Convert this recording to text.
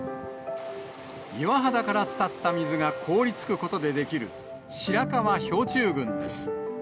岩肌から伝った水が凍りつくことで出来る、白川氷柱群です。